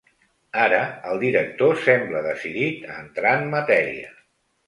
Ara el director sembla decidit a entrar en matèria.